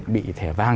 bị thẻ vang